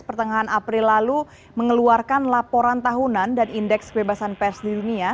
pertengahan april lalu mengeluarkan laporan tahunan dan indeks kebebasan pers di dunia